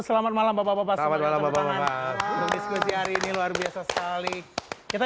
selamat malam bapak bapak selamat malam diskusi hari ini luar biasa sekali kita